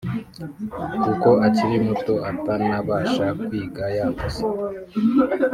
kuko akiri muto atanabasha kwiga yatose